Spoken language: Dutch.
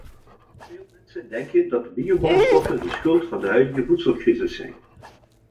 Veel mensen denken dat biobrandstoffen de schuld van de huidige voedselcrisis zijn.